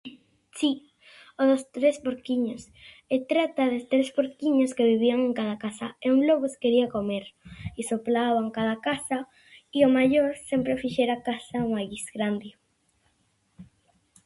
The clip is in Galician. Si, o dos tres porquiños e trata dos tres porquiños que vivían en cada casa e un lobo os quería comer i soplaba en cada casa i o maior sempre fixera a casa máis grande.